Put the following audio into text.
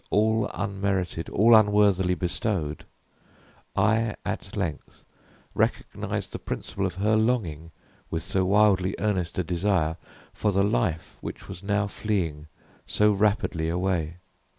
all unmerited, all unworthily bestowed, I at length, recognized the principle of her longing, with so wildly earnest a desire, for the life which was now fleeing so rapidly away.